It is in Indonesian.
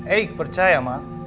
eik percaya ma